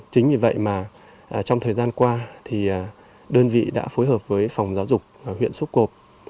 chính vì vậy mà trong thời gian qua thì đơn vị đã phối hợp với phòng giáo dục huyện sốp cộp